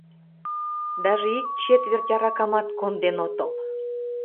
Даже ик четверть аракамат конден отыл.